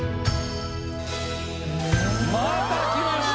またきました！